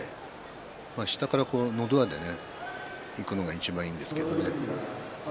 下からのど輪でいくのがいちばんいいですけれどもね。